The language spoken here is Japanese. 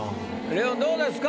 レオンどうですか？